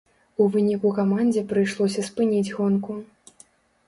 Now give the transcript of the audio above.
У выніку камандзе прыйшлося спыніць гонку.